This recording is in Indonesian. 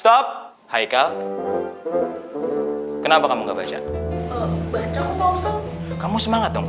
stop hai kau kenapa kamu nggak baca kamu semangat